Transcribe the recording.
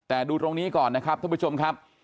แต่ดูตรงนี้ก่อนนะครับท่านผู้ชมครับ